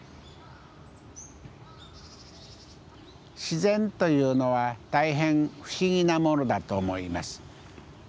自然というのは大変不思議なものだと思います。